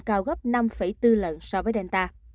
cao gấp năm bốn lần so với delta